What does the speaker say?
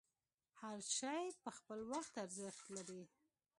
هر شی په خپل وخت ارزښت لري.